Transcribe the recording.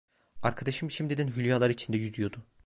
Arkadaşım şimdiden hülyalar içinde yüzüyordu.